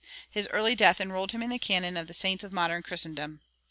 His early death enrolled him in the canon of the saints of modern Christendom.